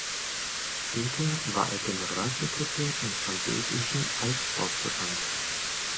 Später war er Generalsekretär beim französischen Eissportverband.